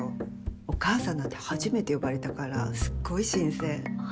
お母さんなんて初めて呼ばれたからすっごい新鮮。